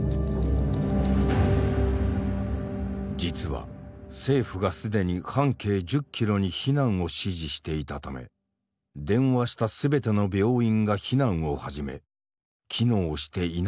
実は政府がすでに半径１０キロに避難を指示していたため電話した全ての病院が避難を始め機能していなかったからだ。